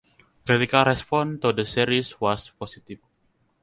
Critical response to the series was positive.